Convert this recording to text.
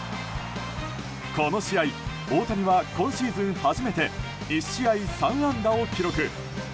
この試合大谷は今シーズン初めて１試合３安打を記録。